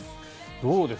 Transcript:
どうです